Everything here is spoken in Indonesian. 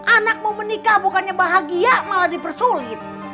anakmu menikah bukannya bahagia malah dipersulit